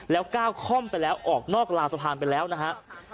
แล้วก้าวค่อมไปแล้วออกนอกราวสะพานไปแล้วนะฮะ